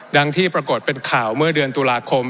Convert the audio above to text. ที่ปรากฏเป็นข่าวเมื่อเดือนตุลาคม